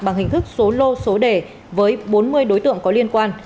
bằng hình thức số lô số đề với bốn mươi đối tượng có liên quan